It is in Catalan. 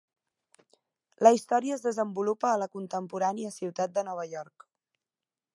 La història es desenvolupa a la contemporània Ciutat de Nova York.